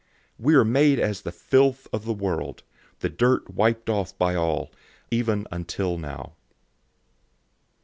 We are made as the filth of the world, the dirt wiped off by all, even until now.